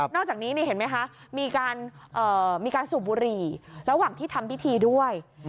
อกจากนี้เห็นไหมคะมีการสูบบุหรี่ระหว่างที่ทำพิธีด้วย